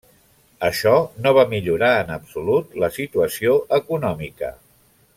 Això no va millorar en absolut la situació econòmica.